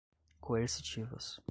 coercitivas